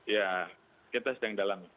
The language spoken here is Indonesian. ya kita sedang dalami